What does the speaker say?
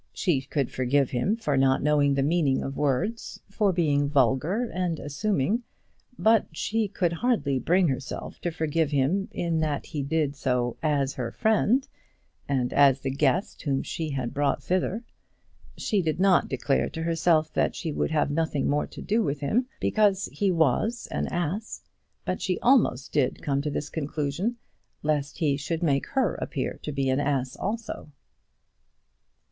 She could forgive him for not knowing the meaning of words, for being vulgar and assuming; but she could hardly bring herself to forgive him in that he did so as her friend, and as the guest whom she had brought thither. She did not declare to herself that she would have nothing more to do with him, because he was an ass; but she almost did come to this conclusion, lest he should make her appear to be an ass also.